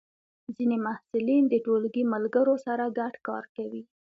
ځینې محصلین د ټولګی ملګرو سره ګډ کار کوي.